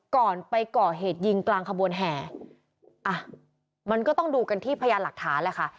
ก่อนไปก่อเหตุยิงกลางขบวนแห่อะมันก็ต้องดูกันที่พยานหลักฐานแหละค่ะ